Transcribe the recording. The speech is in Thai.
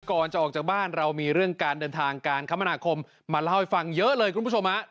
ก่อนจะออกจากบ้านเรามีเรื่องการเดินทางการคมนาคมมาเล่าให้ฟังเยอะเลยคุณผู้ชมฮะ